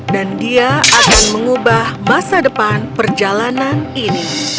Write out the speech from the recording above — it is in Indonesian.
dan dia akan mengubah masa depan perjalanan ini